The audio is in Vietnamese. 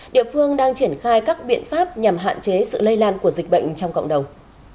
địa phương đang triển khai các biện pháp nhằm hạn chế sự lây lan của dịch bệnh trong cộng đồng